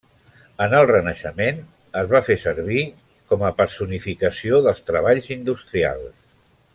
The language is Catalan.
En el Renaixement, es va fer servir com a personificació dels treballs industrials.